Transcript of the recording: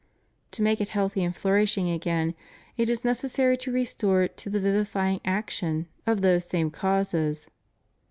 To make it health}^ and flourishing again it is necessary to restore it to the vivifying action of those same causes.